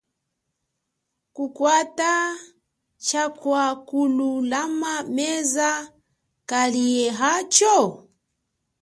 Kukwata cha kwa kululama meza kaliehacho?